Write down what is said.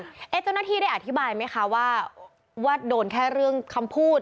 เจ้าหน้าที่ได้อธิบายไหมคะว่าโดนแค่เรื่องคำพูด